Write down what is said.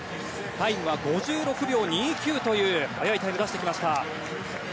タイムは５６秒２９という早いタイムを出してきました。